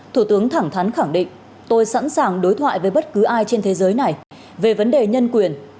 thủ tướng thẳng thắn khẳng định tôi sẵn sàng đối thoại với bất cứ ai trên thế giới này về vấn đề nhân quyền